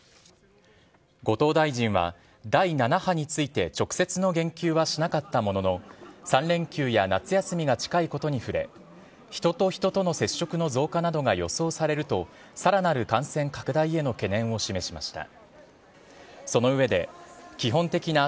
後藤大臣は第７波について直接の言及はしなかったものの、３連休や夏休みが近いことに触れ、人と人との接触の増加などが予想されると、さらなる感染拡大への懸念を示しました。